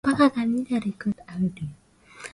Hatua za kufuata wakati wa kupika matembele